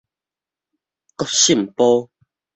國姓埔